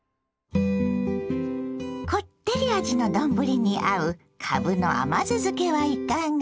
こってり味の丼に合うかぶの甘酢漬けはいかが。